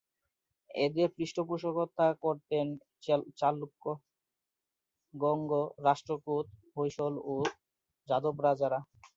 এঁদের পৃষ্ঠপোষকতা করতেন চালুক্য, গঙ্গ, রাষ্ট্রকূট, হৈসল ও যাদব রাজারা।